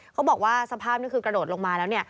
เขาบอกว่าสภาพนี้คือกระโดดลงมาแล้ว